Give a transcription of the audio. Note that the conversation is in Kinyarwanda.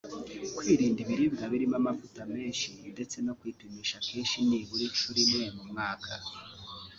kwirinda ibiribwa birimo amavuta menshi ndetse no kwipimisha kenshi nibura inshuro imwe mu mwaka